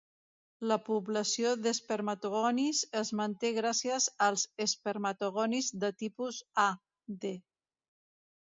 La població d'espermatogonis es manté gràcies als espermatogonis de tipus A(d).